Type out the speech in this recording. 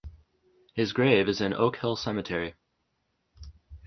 His grave is in Oak Hill Cemetery.